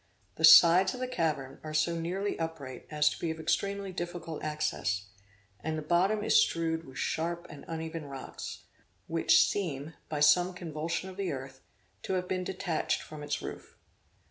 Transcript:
The sides of the cavern are so nearly upright as to be of extremely difficult access; and the bottom is strewed with sharp and uneven rocks, which seem, by some convulsion of the earth, to have been detached from its roof.